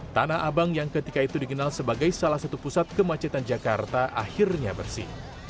tanah abang yang ketika itu dikenal sebagai salah satu pusat kemacetan jakarta akhirnya bersih